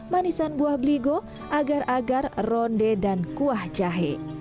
manisan buah bligo agar agar ronde dan kuah jahe